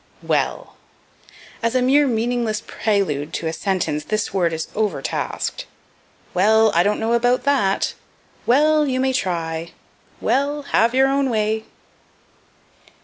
Well. As a mere meaningless prelude to a sentence this word is overtasked. "Well, I don't know about that." "Well, you may try." "Well, have your own way."